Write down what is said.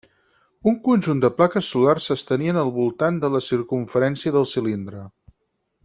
Un conjunt de plaques solars s'estenien al voltant de la circumferència del cilindre.